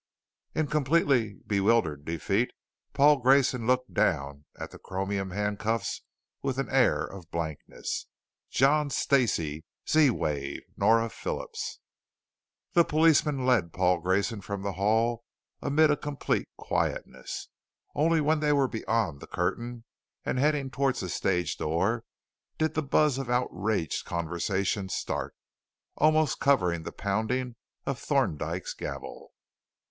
In completely bewildered defeat, Paul Grayson looked down at the chromium handcuffs with an air of blankness. John Stacey Z wave Nora Phillips The policeman led Paul Grayson from the hall amid a complete quietness. Only when they were beyond the curtain and heading towards the stage door did the buzz of outraged conversation start, almost covering the pounding of Thorndyke's gavel.